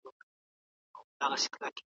تدریس د مهارتونو زده کړه ده خو پوهنه اخلاق دي.